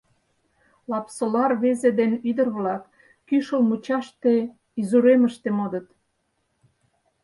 Лапсола рвезе ден ӱдыр-влак кӱшыл мучаште, изуремыште, модыт.